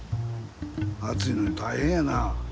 暑いのに大変やな。